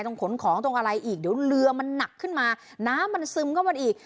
ขนของตรงอะไรอีกเดี๋ยวเรือมันหนักขึ้นมาน้ำมันซึมเข้ามาอีก